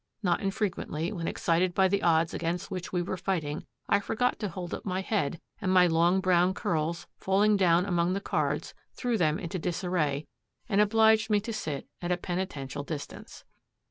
Not infrequently, when excited by the odds against which we were fighting, I forgot to hold up my head, and my long brown curls, falling down among the cards, threw them into disarray, and obliged me to sit at a penitential distance.